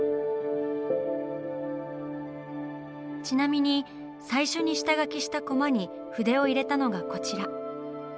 ちなみに最初に下描きしたコマに筆を入れたのがこちら。